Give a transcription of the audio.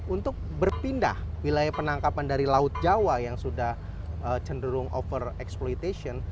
untuk berpindah wilayah penangkapan dari laut jawa yang sudah cenderung over exploitation